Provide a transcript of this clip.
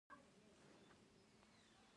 دافغانستان د نجونو لپاره دوزخ دې